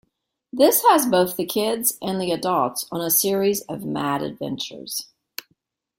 This has, both the kids and the adults, on a series of mad adventures.